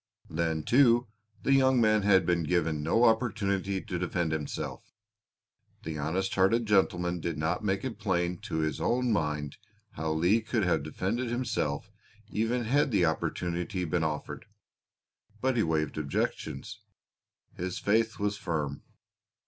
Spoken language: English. Then, too, the young man had been given no opportunity to defend himself. The honest hearted gentleman did not make it plain to his own mind how Leigh could have defended himself even had the opportunity been offered, but he waived objections; his faith was firm.